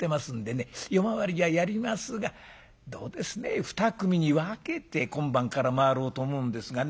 夜回りはやりますがどうですね二組に分けて今晩から回ろうと思うんですがね。